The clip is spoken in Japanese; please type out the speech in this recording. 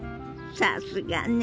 さすがね！